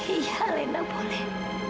iya alena boleh